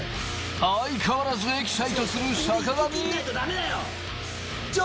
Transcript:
相変わらずエキサイトする坂上。